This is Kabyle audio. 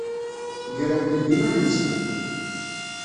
Grent-d iman-nsent.